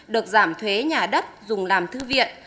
được giảm thuế nhà đất dùng làm thư viện